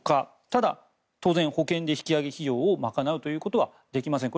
ただ、当然、保険で引き揚げ費用を賄うことはできません。